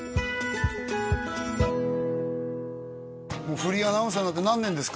フリーアナウンサーになって何年ですか？